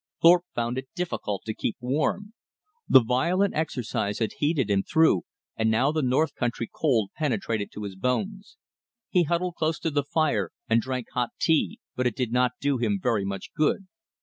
Thorpe found it difficult to keep warm. The violent exercise had heated him through, and now the north country cold penetrated to his bones. He huddled close to the fire, and drank hot tea, but it did not do him very much good.